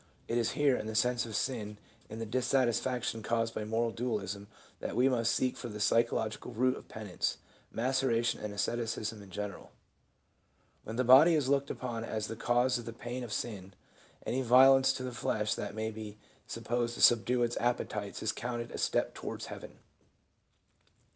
It is here, in the sense of sin, in the dis satisfaction caused by moral dualism, that we must seek for the psychological root of penance, maceration and asceticism in general. When the body is looked upon as the cause of the pain of sin, any violence to the flesh that may be sup posed to subdue its appetites is counted a step towards heaven.